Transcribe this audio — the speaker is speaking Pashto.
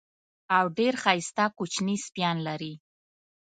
او ډېر ښایسته کوچني سپیان لري.